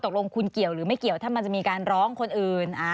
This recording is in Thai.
ตกลงคุณเกี่ยวหรือไม่เกี่ยวถ้ามันจะมีการร้องคนอื่น